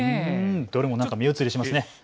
どれも目移りしますね。